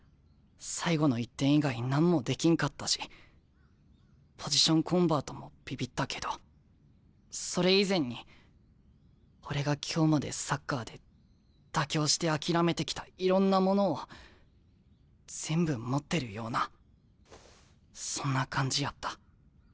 最後の１点以外何もできんかったしポジションコンバートもビビったけどそれ以前に俺が今日までサッカーで妥協して諦めてきたいろんなものを全部持ってるようなそんな感じやった。